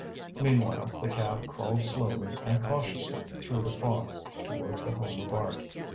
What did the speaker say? Meanwhile the cab crawled slowly and cautiously through the fog, towards The Home of Art.